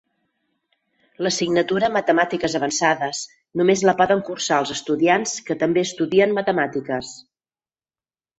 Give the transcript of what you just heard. L'assignatura Matemàtiques avançades només la poden cursar els estudiants que també estudien Matemàtiques.